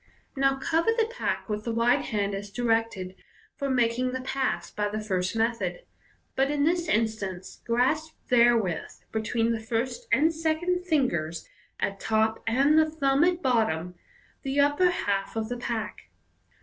Now cover the pack with the right hand as directed for making the pass by the first method, but in this in stance grasp therewith (be tween the first and second fingers at top and the thumb at bottom) the upper half of the pack.